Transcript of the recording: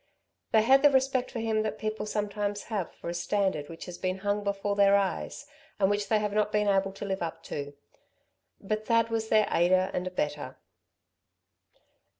They had the respect for him that people sometimes have for a standard which has been hung before their eyes, and which they have not been able to live up to. But Thad was their aider and abettor.